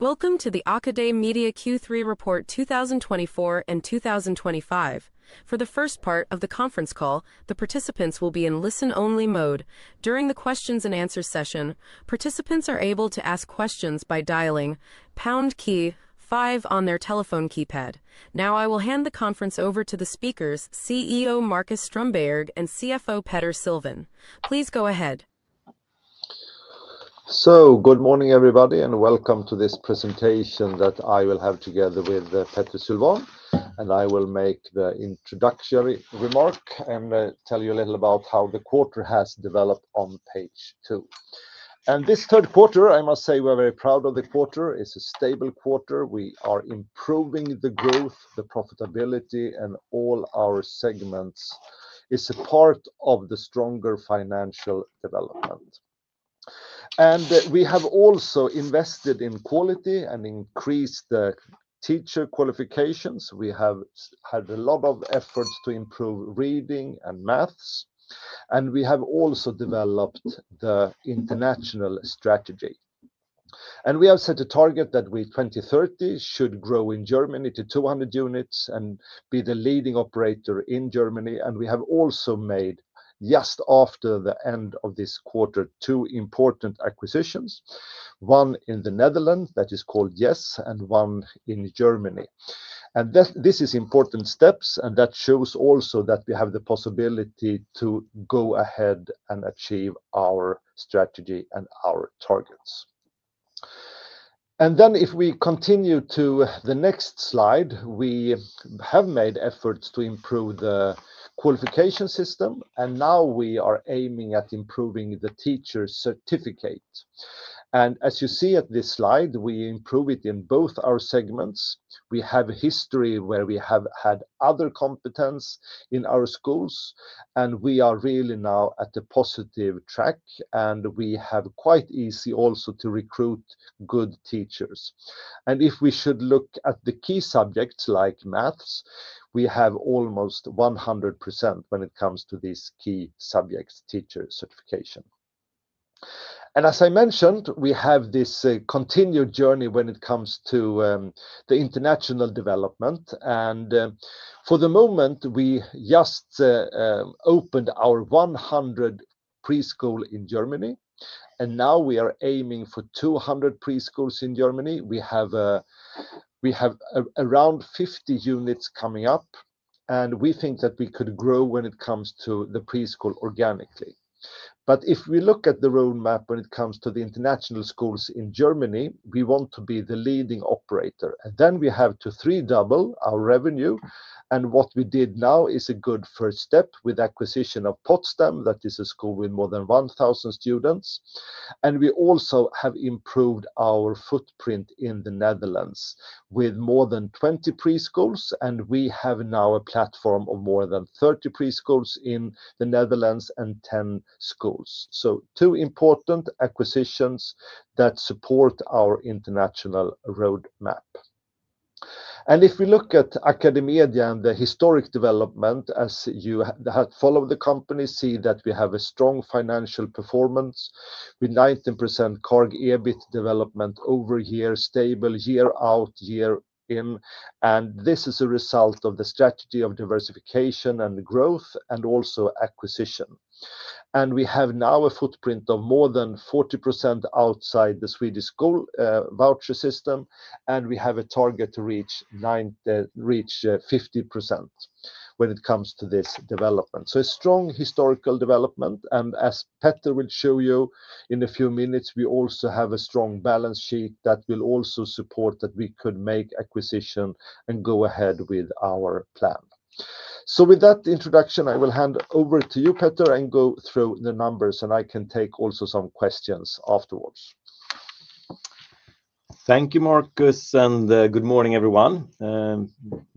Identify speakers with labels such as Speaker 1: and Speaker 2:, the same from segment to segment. Speaker 1: Welcome to the AcadeMedia Q3 Report 2024 and 2025. For the first part of the conference call, the participants will be in listen-only mode. During the Q&A session, participants are able to ask questions by dialing #5 on their telephone keypad. Now, I will hand the conference over to the speakers, CEO Marcus Strömberg and CFO Petter Sylvan. Please go ahead.
Speaker 2: Good morning everybody and welcome to this presentation that I will have together with Petter Sylvan. I will make the introductory remark and tell you a little about how the quarter has developed on page two. This third quarter, I must say, we're very proud of the quarter. It's a stable quarter. We are improving the growth, the profitability, and all our segments. It's a part of the stronger financial development. We have also invested in quality and increased the teacher qualifications. We have had a lot of efforts to improve reading and maths. We have also developed the international strategy. We have set a target that by 2030 should grow in Germany to 200 units and be the leading operator in Germany. We have also made, just after the end of this quarter, two important acquisitions. One in the Netherlands that is called Yes! and one in Germany. This is important steps, and that shows also that we have the possibility to go ahead and achieve our strategy and our targets. If we continue to the next slide, we have made efforts to improve the qualification system, and now we are aiming at improving the teacher certificate. As you see at this slide, we improved it in both our segments. We have a history where we have had other competence in our schools, and we are really now at a positive track, and we have quite easy also to recruit good teachers. If we should look at the key subjects like maths, we have almost 100% when it comes to these key subjects, teacher certification. As I mentioned, we have this continued journey when it comes to the international development. For the moment, we just opened our 100th preschool in Germany, and now we are aiming for 200 preschools in Germany. We have around 50 units coming up, and we think that we could grow when it comes to the preschool organically. If we look at the roadmap when it comes to the international schools in Germany, we want to be the leading operator. We have to three-double our revenue, and what we did now is a good first step with the acquisition of Potsdam, that is a school with more than 1,000 students. We also have improved our footprint in the Netherlands with more than 20 preschools, and we have now a platform of more than 30 preschools in the Netherlands and 10 schools. Two important acquisitions support our international roadmap. If we look at AcadeMedia and the historic development, as you have followed the company, you see that we have a strong financial performance with 19% CAGR EBIT development over year, stable year out, year in. This is a result of the strategy of diversification and growth and also acquisition. We have now a footprint of more than 40% outside the Swedish voucher system, and we have a target to reach 50% when it comes to this development. A strong historical development, and as Petter will show you in a few minutes, we also have a strong balance sheet that will also support that we could make acquisition and go ahead with our plan. With that introduction, I will hand over to you, Petter, and go through the numbers, and I can take also some questions afterwards.
Speaker 3: Thank you, Marcus, and good morning everyone.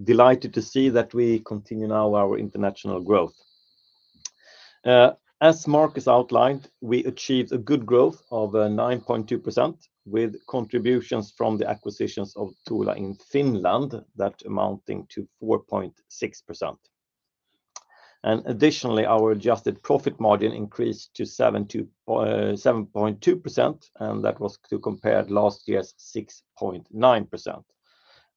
Speaker 3: Delighted to see that we continue now our international growth. As Marcus outlined, we achieved a good growth of 9.2% with contributions from the acquisitions of Tula in Finland, that amounting to 4.6%. Additionally, our adjusted profit margin increased to 7.2%, and that was to compare last year's 6.9%.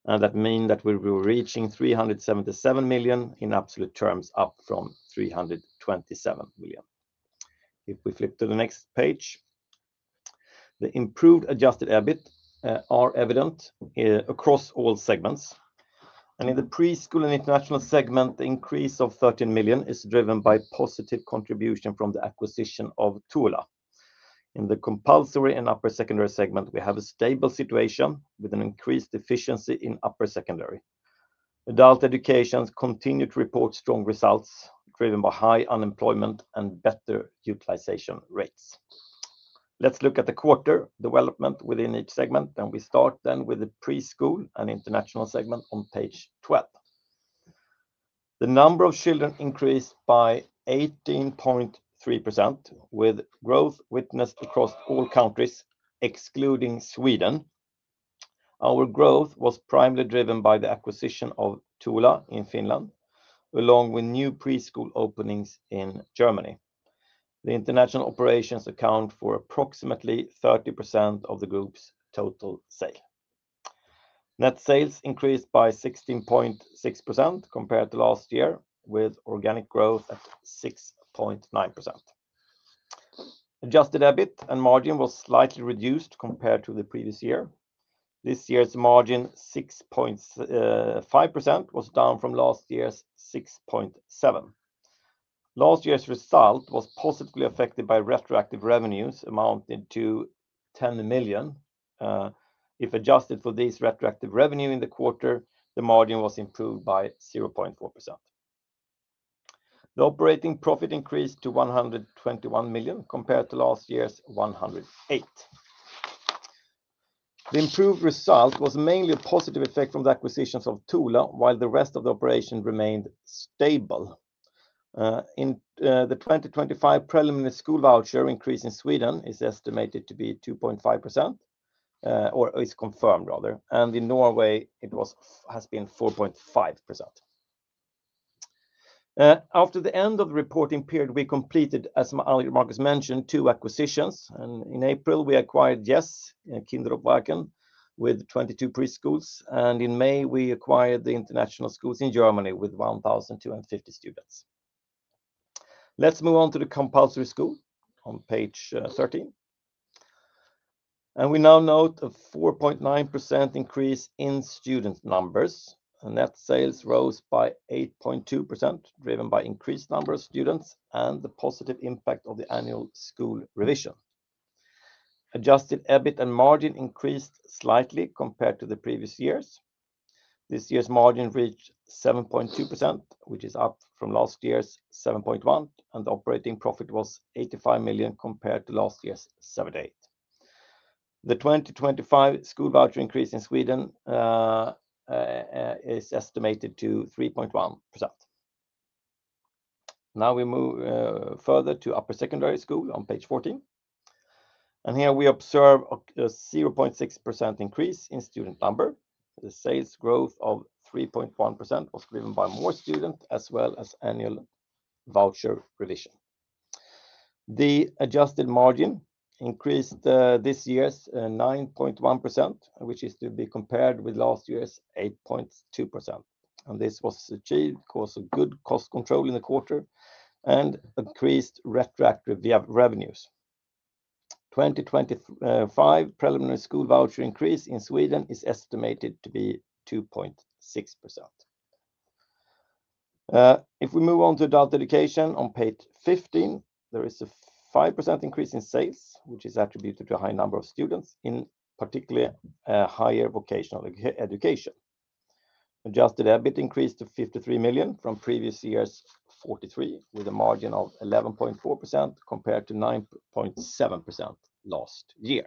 Speaker 3: That means that we were reaching 377 million in absolute terms, up from 327 million. If we flip to the next page, the improved adjusted EBIT are evident across all segments. In the preschool and international segment, the increase of 13 million is driven by positive contribution from the acquisition of Tula. In the compulsory and upper secondary segment, we have a stable situation with an increased efficiency in upper secondary. Adult education continued to report strong results, driven by high unemployment and better utilization rates. Let's look at the quarter development within each segment, and we start then with the preschool and international segment on page 12. The number of children increased by 18.3%, with growth witnessed across all countries, excluding Sweden. Our growth was primarily driven by the acquisition of Tula in Finland, along with new preschool openings in Germany. The international operations account for approximately 30% of the group's total sale. Net sales increased by 16.6% compared to last year, with organic growth at 6.9%. Adjusted EBIT and margin was slightly reduced compared to the previous year. This year's margin, 6.5%, was down from last year's 6.7%. Last year's result was positively affected by retroactive revenues amounting to 10 million. If adjusted for these retroactive revenues in the quarter, the margin was improved by 0.4%. The operating profit increased to 121 million compared to last year's 108 million. The improved result was mainly a positive effect from the acquisitions of Tula, while the rest of the operation remained stable. The 2025 preliminary school voucher increase in Sweden is estimated to be 2.5%, or is confirmed, rather. In Norway, it has been 4.5%. After the end of the reporting period, we completed, as Marcus mentioned, two acquisitions. In April, we acquired Yes! Kinderopvang with 22 preschools. In May, we acquired the international schools in Germany with 1,250 students. Let's move on to the compulsory school on page 13. We now note a 4.9% increase in student numbers. Net sales rose by 8.2%, driven by increased number of students and the positive impact of the annual school revision. Adjusted EBIT and margin increased slightly compared to the previous years. This year's margin reached 7.2%, which is up from last year's 7.1%. The operating profit was 85 million compared to last year's 78 million. The 2025 school voucher increase in Sweden is estimated to be 3.1%. Now we move further to upper secondary school on page 14. Here we observe a 0.6% increase in student number. The sales growth of 3.1% was driven by more students, as well as annual voucher revision. The adjusted margin increased this year's 9.1%, which is to be compared with last year's 8.2%. This was achieved because of good cost control in the quarter and increased retroactive revenues. The 2025 preliminary school voucher increase in Sweden is estimated to be 2.6%. If we move on to adult education on page 15, there is a 5% increase in sales, which is attributed to a high number of students, in particular higher vocational education. Adjusted EBIT increased to 53 million from previous year's 43 million, with a margin of 11.4% compared to 9.7% last year.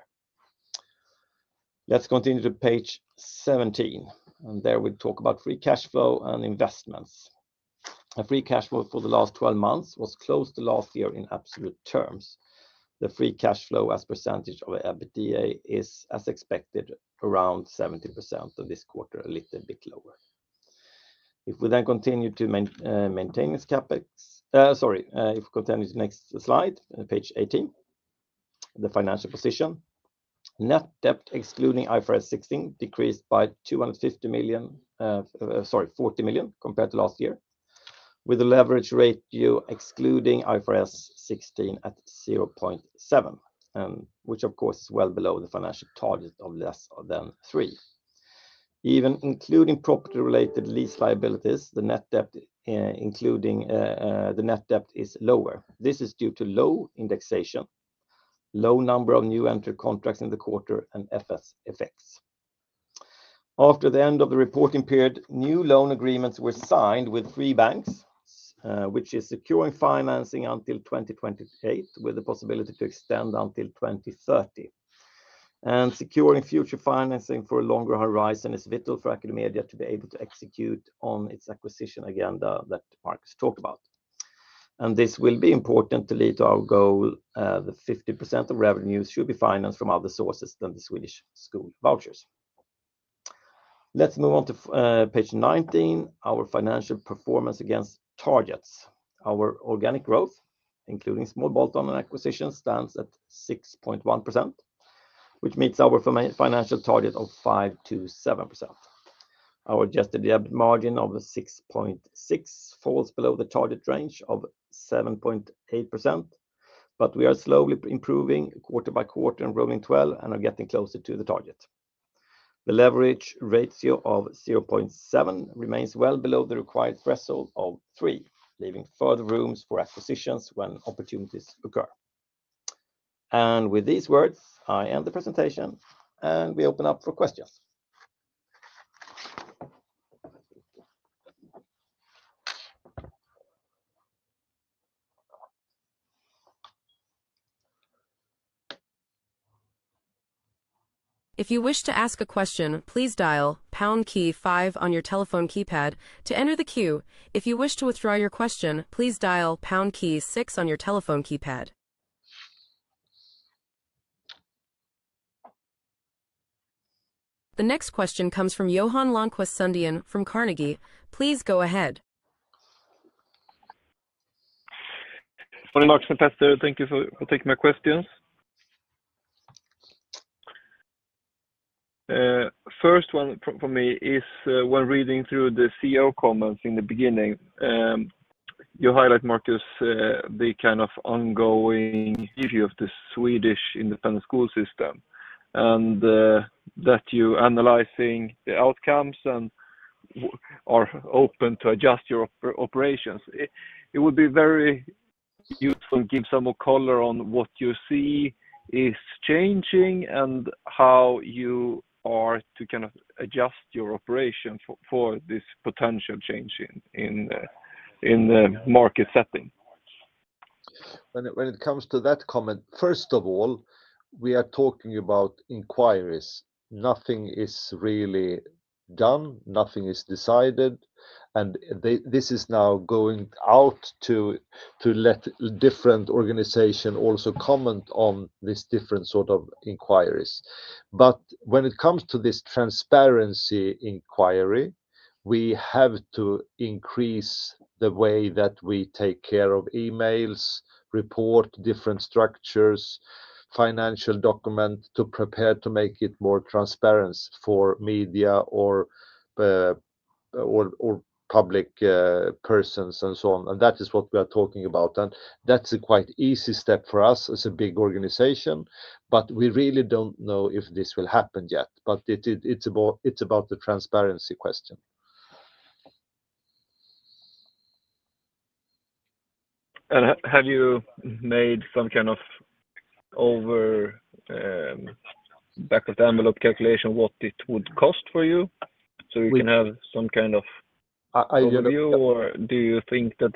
Speaker 3: Let's continue to page 17, and there we talk about free cash flow and investments. The free cash flow for the last 12 months was closed last year in absolute terms. The free cash flow as percentage of EBITDA is, as expected, around 70%, and this quarter a little bit lower. If we then continue to maintain this CapEx, sorry, if we continue to the next slide, page 18, the financial position, net debt excluding IFRS 16 decreased by 40 million compared to last year, with a leverage ratio excluding IFRS 16 at 0.7, which of course is well below the financial target of less than three. Even including property-related lease liabilities, the net debt is lower. This is due to low indexation, low number of new entry contracts in the quarter, and FS effects. After the end of the reporting period, new loan agreements were signed with three banks, which is securing financing until 2028, with the possibility to extend until 2030. Securing future financing for a longer horizon is vital for AcadeMedia to be able to execute on its acquisition agenda that Marcus talked about. This will be important to lead to our goal that 50% of revenues should be financed from other sources than the Swedish school vouchers. Let's move on to page 19, our financial performance against targets. Our organic growth, including small bolt-on and acquisition, stands at 6.1%, which meets our financial target of 5.27%. Our adjusted EBIT margin of 6.6% falls below the target range of 7.8%, but we are slowly improving quarter by quarter and rolling 12 and are getting closer to the target. The leverage ratio of 0.7 remains well below the required threshold of 3, leaving further room for acquisitions when opportunities occur. With these words, I end the presentation, and we open up for questions.
Speaker 1: If you wish to ask a question, please dial pound key 5 on your telephone keypad to enter the queue. If you wish to withdraw your question, please dial pound key 6 on your telephone keypad. The next question comes from Johan Lönnqvist Sundén from Carnegie. Please go ahead.
Speaker 4: Hi, Marcus and Petter. Thank you for taking my questions. First one for me is when reading through the CEO comments in the beginning, you highlight, Marcus, the kind of ongoing view of the Swedish independent school system and that you're analyzing the outcomes and are open to adjust your operations. It would be very useful to give some more color on what you see is changing and how you are to kind of adjust your operation for this potential change in the market setting.
Speaker 2: When it comes to that comment, first of all, we are talking about inquiries. Nothing is really done, nothing is decided, and this is now going out to let different organizations also comment on these different sorts of inquiries. When it comes to this transparency inquiry, we have to increase the way that we take care of emails, report different structures, financial documents to prepare to make it more transparent for media or public persons and so on. That is what we are talking about. That is a quite easy step for us as a big organization, but we really do not know if this will happen yet. It is about the transparency question.
Speaker 4: Have you made some kind of over back of the envelope calculation what it would cost for you? So you can have some kind of overview, or do you think that?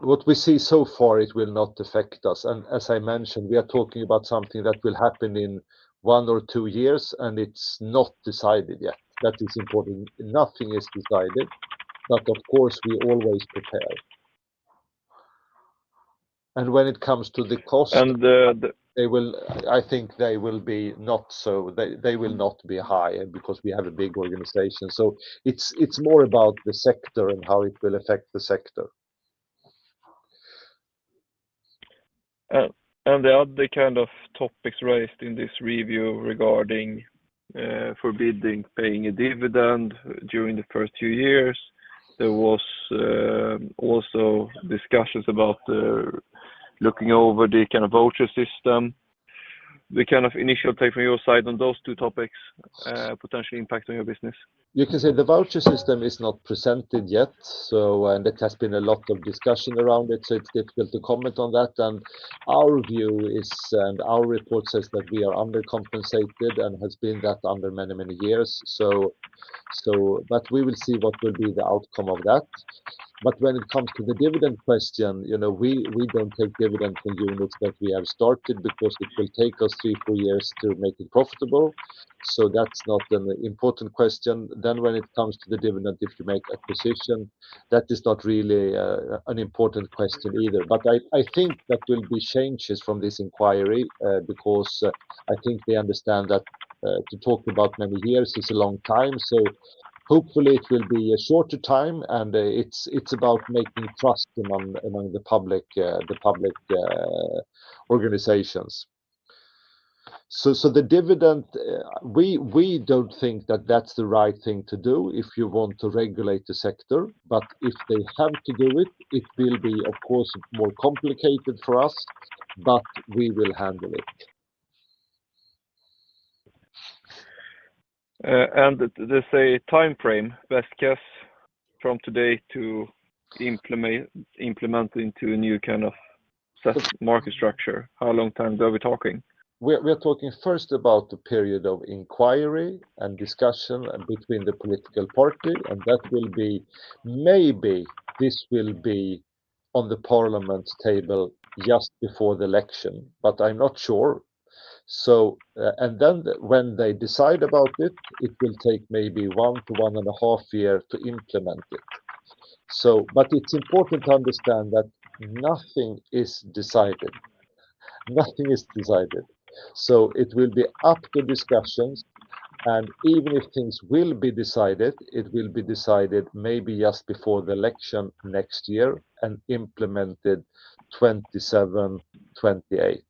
Speaker 2: What we see so far, it will not affect us. As I mentioned, we are talking about something that will happen in one or two years, and it's not decided yet. That is important. Nothing is decided, of course, we always prepare. When it comes to the cost, I think they will not be high because we have a big organization. It is more about the sector and how it will affect the sector.
Speaker 4: The other kind of topics raised in this review regarding forbidding paying a dividend during the first few years, there were also discussions about looking over the kind of voucher system. The kind of initial take from your side on those two topics, potential impact on your business?
Speaker 2: You can say the voucher system is not presented yet, and there has been a lot of discussion around it, so it's difficult to comment on that. Our view is, and our report says that we are undercompensated and have been that under many, many years. We will see what will be the outcome of that. When it comes to the dividend question, we don't take dividend from units that we have started because it will take us three, four years to make it profitable. That's not an important question. When it comes to the dividend, if you make acquisition, that is not really an important question either. I think that there will be changes from this inquiry because I think they understand that to talk about many years is a long time. Hopefully, it will be a shorter time, and it's about making trust among the public organizations. The dividend, we don't think that that's the right thing to do if you want to regulate the sector. If they have to do it, it will be, of course, more complicated for us, but we will handle it.
Speaker 4: Is there a time frame, best guess, from today to implement into a new kind of market structure? How long are we talking?
Speaker 2: We are talking first about the period of inquiry and discussion between the political party, and that will be maybe this will be on the parliament table just before the election, but I'm not sure. When they decide about it, it will take maybe one to one and a half years to implement it. It is important to understand that nothing is decided. Nothing is decided. It will be up to discussions. Even if things will be decided, it will be decided maybe just before the election next year and implemented 2027-2028.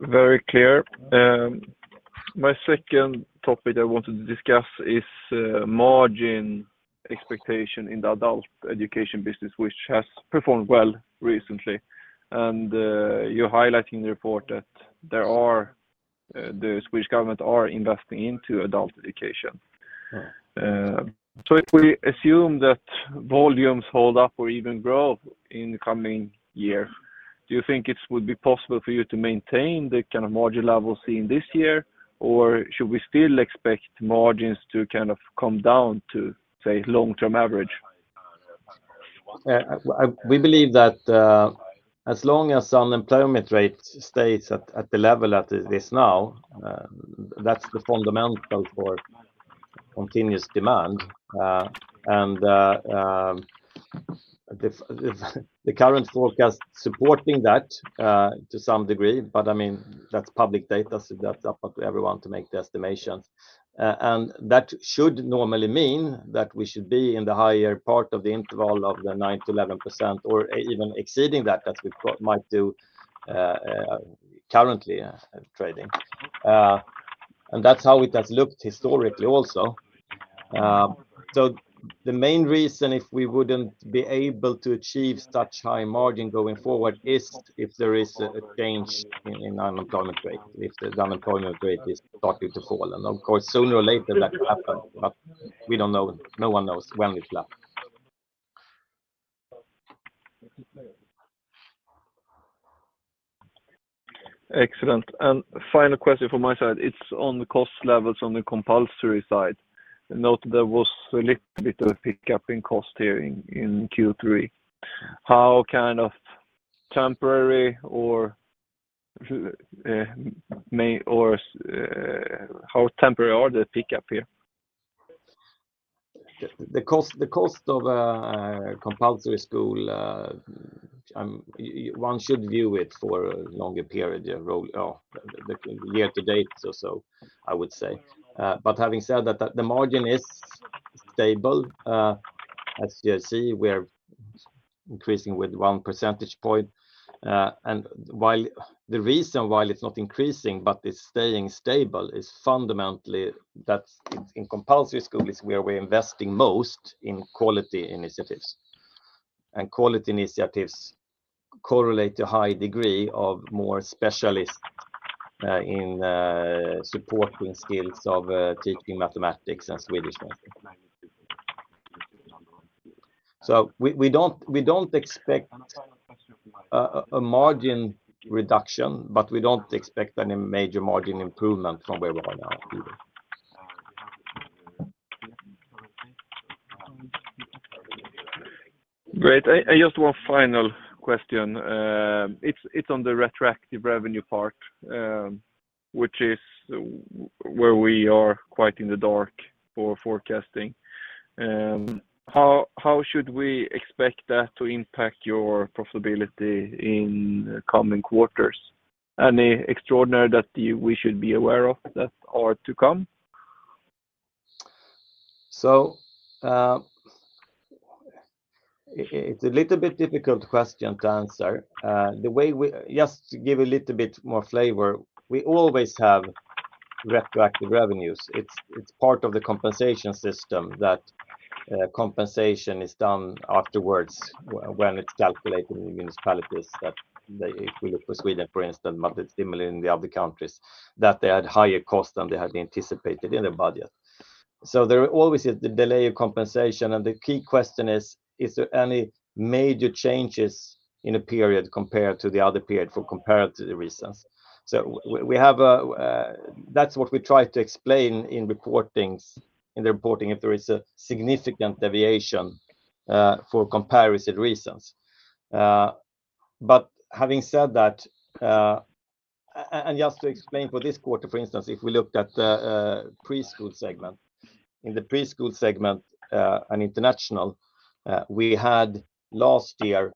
Speaker 4: Very clear. My second topic I wanted to discuss is margin expectation in the adult education business, which has performed well recently. You're highlighting in the report that the Swedish government are investing into adult education. If we assume that volumes hold up or even grow in the coming year, do you think it would be possible for you to maintain the kind of margin level seen this year, or should we still expect margins to kind of come down to, say, long-term average?
Speaker 3: We believe that as long as unemployment rate stays at the level that it is now, that's the fundamental for continuous demand. The current forecast supporting that to some degree, but I mean, that's public data, so that's up to everyone to make the estimations. That should normally mean that we should be in the higher part of the interval of the 9-11% or even exceeding that, as we might do currently trading. That's how it has looked historically also. The main reason if we wouldn't be able to achieve such high margin going forward is if there is a change in unemployment rate, if the unemployment rate is starting to fall. Of course, sooner or later that will happen, but we don't know, no one knows when it will happen.
Speaker 4: Excellent. Final question from my side. It's on the cost levels on the compulsory side. I note there was a little bit of a pickup in cost here in Q3. How kind of temporary or how temporary are the pickup here?
Speaker 3: The cost of a compulsory school, one should view it for a longer period, year to date or so, I would say. Having said that, the margin is stable. As you see, we're increasing with one percentage point. The reason why it's not increasing but is staying stable is fundamentally that in compulsory school is where we're investing most in quality initiatives. Quality initiatives correlate to a high degree of more specialists in supporting skills of teaching mathematics and Swedish mathematics. We don't expect a margin reduction, but we don't expect any major margin improvement from where we are now either.
Speaker 4: Great. I just have one final question. It's on the retroactive revenue part, which is where we are quite in the dark for forecasting. How should we expect that to impact your profitability in coming quarters? Any extraordinary that we should be aware of that are to come?
Speaker 3: It's a little bit difficult question to answer. Just to give a little bit more flavor, we always have retroactive revenues. It's part of the compensation system that compensation is done afterwards when it's calculated in municipalities. If we look for Sweden, for instance, but it's similar in the other countries, that they had higher costs than they had anticipated in the budget. There always is the delay of compensation. The key question is, is there any major changes in a period compared to the other period for comparative reasons? That's what we try to explain in reporting if there is a significant deviation for comparative reasons. Having said that, and just to explain for this quarter, for instance, if we looked at the preschool segment, in the preschool segment and international, we had last year,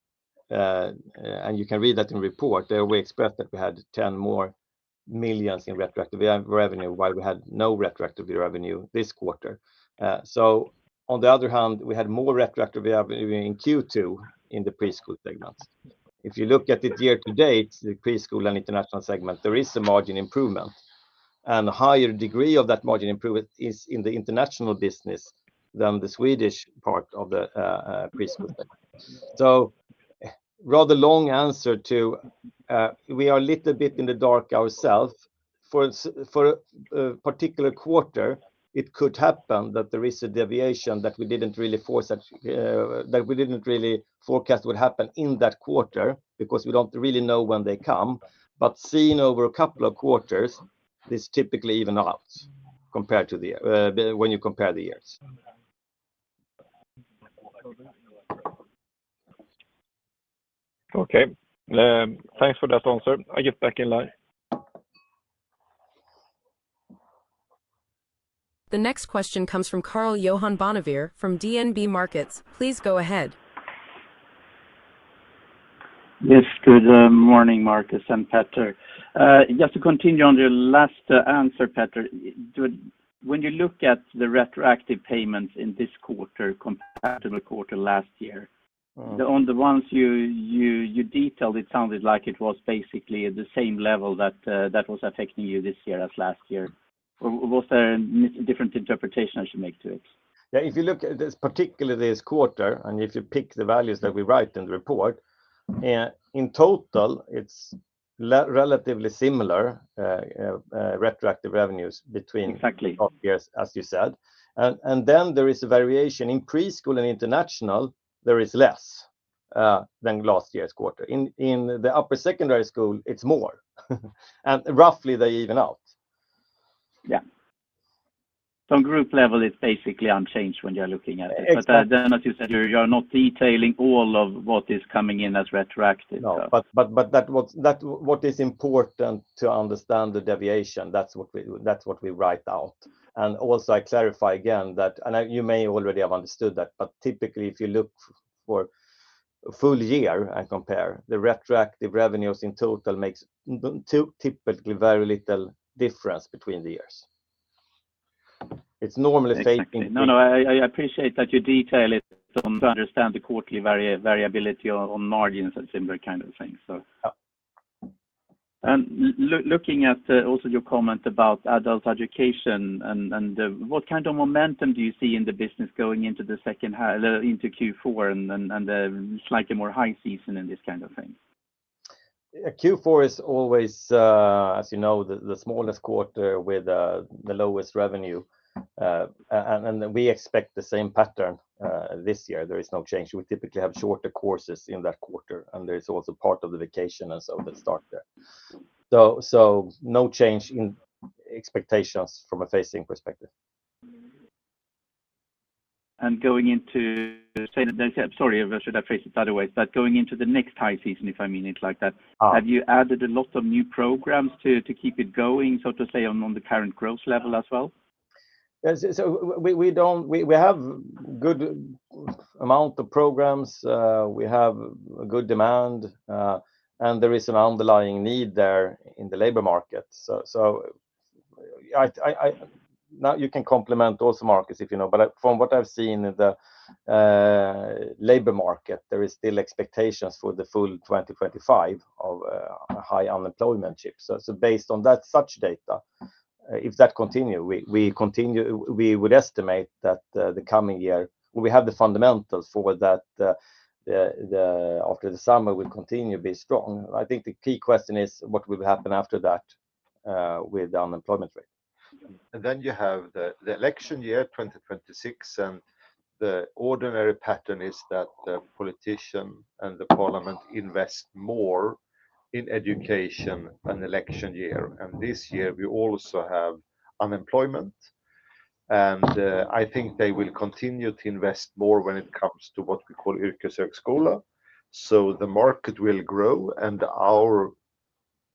Speaker 3: and you can read that in the report, we expressed that we had 10 million more in retroactive revenue while we had no retroactive revenue this quarter. On the other hand, we had more retroactive revenue in Q2 in the preschool segments. If you look at it year to date, the preschool and international segment, there is a margin improvement. A higher degree of that margin improvement is in the international business than the Swedish part of the preschool segment. Rather long answer to we are a little bit in the dark ourselves. For a particular quarter, it could happen that there is a deviation that we didn't really forecast would happen in that quarter because we don't really know when they come. But seen over a couple of quarters, this typically evens out compared to when you compare the years.
Speaker 4: Okay. Thanks for that answer. I'll get back in line.
Speaker 1: The next question comes from Karl-Johan Bonnevier from DNB Markets. Please go ahead.
Speaker 5: Yes, good morning, Marcus and Petter. Just to continue on your last answer, Petter, when you look at the retroactive payments in this quarter compared to the quarter last year, on the ones you detailed, it sounded like it was basically at the same level that was affecting you this year as last year. Was there a different interpretation I should make to it?
Speaker 3: Yeah. If you look at this particularly this quarter, and if you pick the values that we write in the report, in total, it's relatively similar retroactive revenues between the quarter years, as you said. There is a variation in preschool and international; there is less than last year's quarter. In the upper secondary school, it's more. Roughly, they even out.
Speaker 5: Yeah. Group level is basically unchanged when you're looking at it. But then, as you said, you're not detailing all of what is coming in as retroactive.
Speaker 3: No. What is important to understand is the deviation, that's what we write out. Also, I clarify again that, and you may already have understood that, but typically, if you look for a full year and compare, the retroactive revenues in total make typically very little difference between the years. It's normally facing.
Speaker 5: No, no. I appreciate that you detail it to understand the quarterly variability on margins and similar kind of things. Looking at also your comment about adult education, what kind of momentum do you see in the business going into the second half, into Q4, and the slightly more high season and this kind of thing?
Speaker 3: Q4 is always, as you know, the smallest quarter with the lowest revenue. We expect the same pattern this year. There is no change. We typically have shorter courses in that quarter, and there is also part of the vacation and so that start there. So no change in expectations from a phasing perspective.
Speaker 5: Going into—sorry, should I phrase it other ways? Going into the next high season, if I mean it like that, have you added a lot of new programs to keep it going, so to say, on the current growth level as well?
Speaker 2: We have a good amount of programs. We have good demand, and there is an underlying need there in the labor market. You can complement those markets if you know. From what I've seen in the labor market, there are still expectations for the full 2025 of high unemployment. Based on such data, if that continues, we would estimate that the coming year we have the fundamentals for that after the summer will continue to be strong. I think the key question is what will happen after that with the unemployment rate. You have the election year 2026, and the ordinary pattern is that the politician and the parliament invest more in education an election year. This year, we also have unemployment. I think they will continue to invest more when it comes to what we call yrkeshögskola. The market will grow, and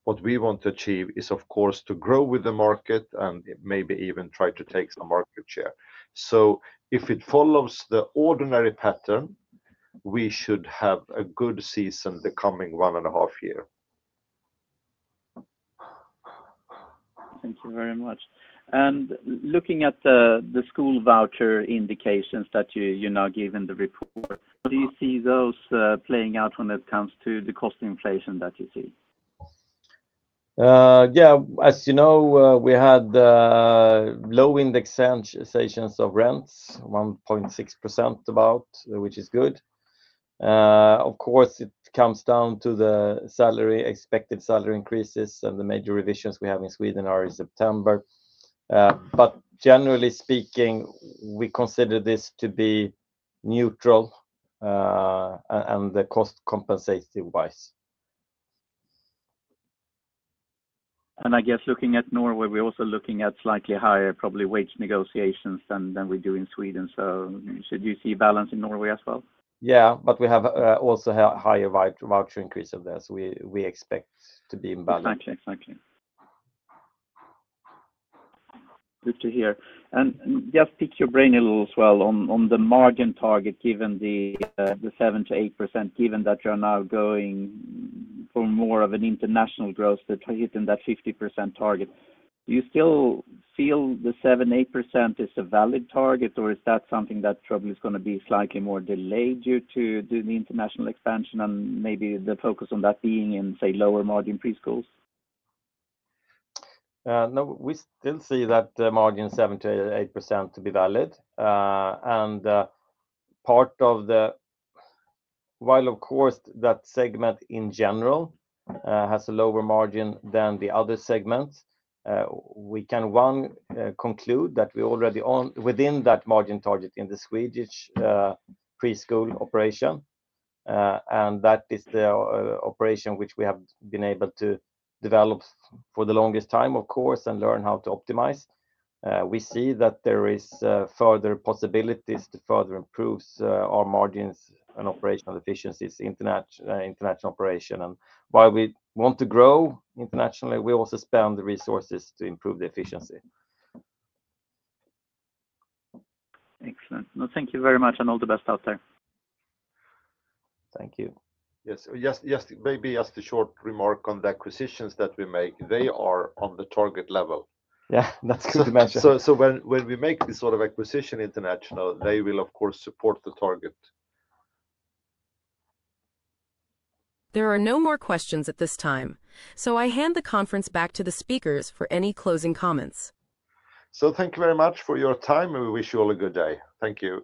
Speaker 2: what we want to achieve is, of course, to grow with the market and maybe even try to take some market share. If it follows the ordinary pattern, we should have a good season the coming one and a half year.
Speaker 5: Thank you very much. Looking at the school voucher indications that you're now giving in the report, do you see those playing out when it comes to the cost inflation that you see?
Speaker 2: Yeah. As you know, we had low indexations of rents, 1.6% about, which is good. Of course, it comes down to the expected salary increases, and the major revisions we have in Sweden are in September. Generally speaking, we consider this to be neutral and cost-compensative-wise.
Speaker 5: I guess looking at Norway, we're also looking at slightly higher probably wage negotiations than we do in Sweden. Should you see a balance in Norway as well?
Speaker 2: Yeah. We have also a higher voucher increase of this. We expect to be in balance.
Speaker 5: Exactly. Exactly. Good to hear. Just pick your brain a little as well on the margin target, given the 7-8% given that you're now going for more of an international growth to hit in that 50% target. Do you still feel the 7-8% is a valid target, or is that something that probably is going to be slightly more delayed due to the international expansion and maybe the focus on that being in, say, lower margin preschools?
Speaker 2: No, we still see that margin 7-8% to be valid. Part of the—while, of course, that segment in general has a lower margin than the other segments, we can, one, conclude that we're already within that margin target in the Swedish preschool operation. That is the operation which we have been able to develop for the longest time, of course, and learn how to optimize. We see that there are further possibilities to further improve our margins and operational efficiencies in international operation. While we want to grow internationally, we also spend the resources to improve the efficiency.
Speaker 5: Excellent. Thank you very much and all the best out there.
Speaker 2: Thank you.
Speaker 3: Yes. Just maybe as a short remark on the acquisitions that we make, they are on the target level.
Speaker 5: Yeah, that's good to mention.
Speaker 3: When we make this sort of acquisition international, they will, of course, support the target.
Speaker 1: There are no more questions at this time. I hand the conference back to the speakers for any closing comments.
Speaker 2: Thank you very much for your time, and we wish you all a good day. Thank you.